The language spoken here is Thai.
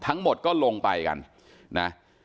ทั้งหมดก็ลงไปกันนะ